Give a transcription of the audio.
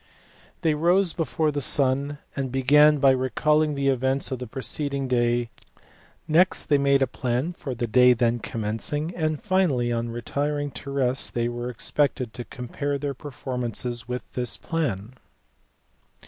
They rose before the sun, and began by recalling the events of the pre ceding day, next they made a plan for the day then com mencing, and finally on retiring to rest they were expected to compare their performances with this plan.